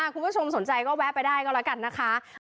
คุณผู้ชมสนใจก็แวะไปได้ก็แล้วกันนะคะ